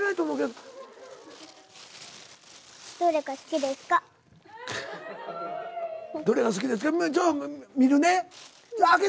「どれが好きですか」